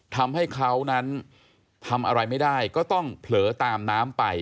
ทำให้เขานั้นทำอะไรไม่ได้ก็ต้องเผลอตามน้ำไป